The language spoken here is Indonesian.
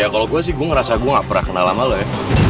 ya kalo gua sih gua ngerasa gua ga pernah kenal ama lo ya